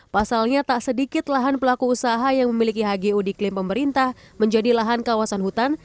pasalnya tak sedikit lahan pelaku usaha yang memiliki hgu diklaim pemerintah menjadi lahan kawasan hutan